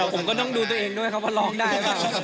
ผมก็ต้องดูตัวเองด้วยเพราะว่าร้องได้